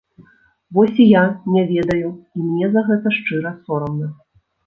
Вось і я не ведаю, і мне за гэта шчыра сорамна.